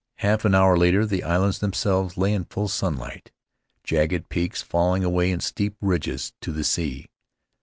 Half an hour later the islands themselves lay in full sunlight, jagged peaks falling away in steep ridges to the sea.